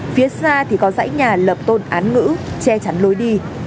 phía xa thì có dãy nhà lập tôn án ngữ che chắn lối đi